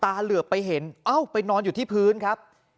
เหลือไปเห็นเอ้าไปนอนอยู่ที่พื้นครับ